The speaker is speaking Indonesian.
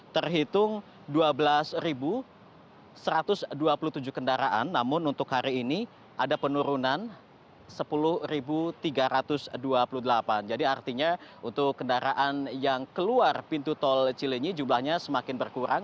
terhitung dua belas satu ratus dua puluh tujuh kendaraan namun untuk hari ini ada penurunan sepuluh tiga ratus dua puluh delapan jadi artinya untuk kendaraan yang keluar pintu tol cilenyi jumlahnya semakin berkurang